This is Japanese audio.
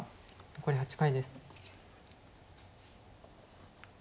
残り８回です。